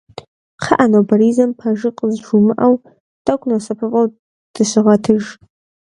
Кхъыӏэ нобэризэм пэжыр къызжумыӏэу, тӏэкӏу нэсыпыфӏэу дыщыгъэтыж.